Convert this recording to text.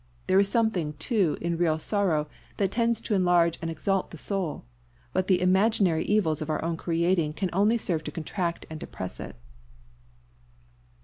There is something, too, in real sorrow that tends to enlarge and exalt the soul; but the imaginary evils of our own creating can only serve to contract and depress it."